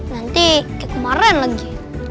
nanti kayak kemarin lagi